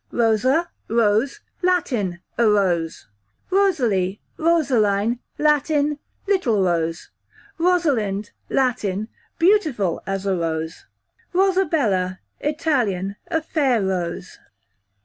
Rosa / Rose, Latin, a rose. Rosalie / Rosaline, Latin, little rose. Rosalind, Latin, beautiful as a rose. Rosabella, Italian, a fair rose.